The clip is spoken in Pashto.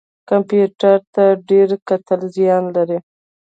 کمپیوټر ته ډیر کتل زیان لري